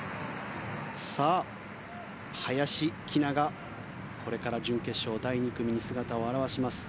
林希菜がこれから準決勝第２組に姿を現します。